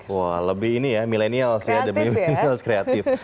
wah lebih ini ya millennials ya demi millennials kreatif